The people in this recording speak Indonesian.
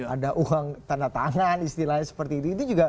ada uang tanda tangan istilahnya seperti itu